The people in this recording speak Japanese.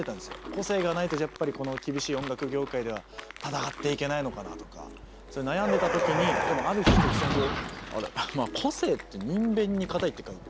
個性がないとやっぱりこの厳しい音楽業界では闘っていけないのかなとかそういう悩んでたときにでもある日突然こう「個性」って「人偏」に「固い」って書いて。